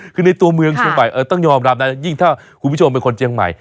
คือในตัวเมืองเชียงใหม่ต้องยอมรับนะยิ่งถ้าคุณผู้ชมเป็นคนเจียงใหม่